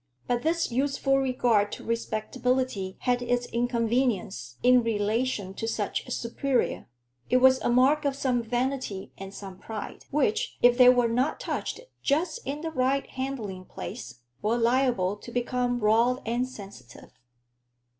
But this useful regard to respectability had its inconvenience in relation to such a superior: it was a mark of some vanity and some pride, which, if they were not touched just in the right handling place, were liable to become raw and sensitive.